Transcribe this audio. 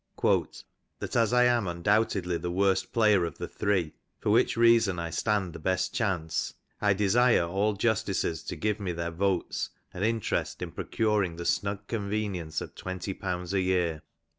^' That as I am ^' undoubtedly the worst player of the three, for which reason I stand '^ the best chance^ I desire all justices to give me their votes and in *' terest in procuring the snug convenience of twenty pounds a year.